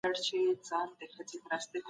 بله برخه د زرغونې موضوع ده.